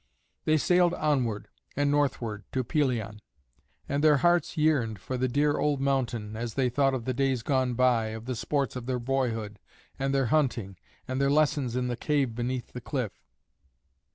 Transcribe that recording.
They sailed onward and northward to Pelion. And their hearts yearned for the dear old mountain, as they thought of the days gone by, of the sports of their boyhood, and their hunting, and their lessons in the cave beneath the cliff.